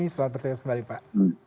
selamat berjalan sembalik pak